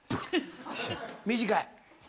短い。